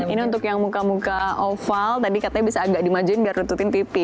ini untuk yang muka muka oval tadi katanya bisa agak dimajuin biar nututin tv